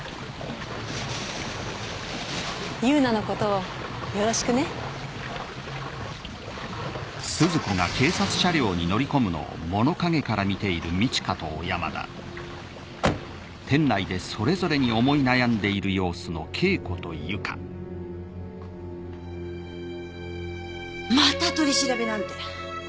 優奈のことをよろしくねまた取り調べなんて！